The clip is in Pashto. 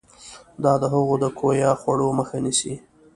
دا د هغو د کویه خوړو مخه نیسي.